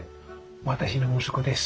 私の息子です。